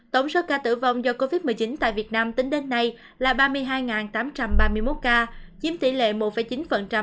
tổng số ca tử vong do covid một mươi chín tại việt nam tính đến nay là ba mươi hai tám trăm ba mươi một ca